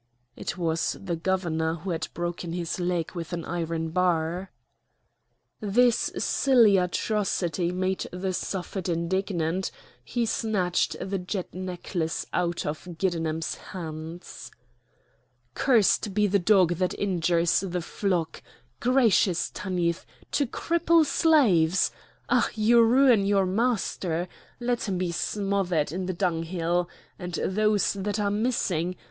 It was the governor, who had broken his leg with an iron bar. This silly atrocity made the Suffet indignant; he snatched the jet necklace out of Giddenem's hands. "Cursed be the dog that injures the flock! Gracious Tanith, to cripple slaves! Ah! you ruin your master! Let him be smothered in the dunghill. And those that are missing?